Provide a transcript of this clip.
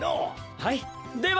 はいでは！